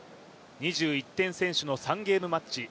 ２１点先取の３ゲームマッチ。